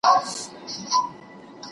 ¬ گيله د دوسته کېږي.